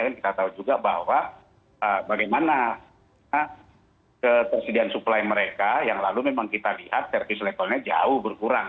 kita tahu juga bahwa bagaimana ketersediaan suplai mereka yang lalu memang kita lihat service levelnya jauh berkurang